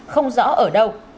không rõ ở đâu